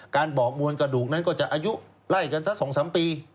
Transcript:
การบอกมวลกระดูกนั้นก็จะอายุไล่กันสัก๒๓ปี